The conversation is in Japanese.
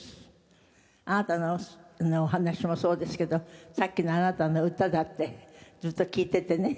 あなたのお話もそうですけどさっきのあなたの歌だってずっと聴いていてね